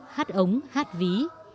hát ống hát ví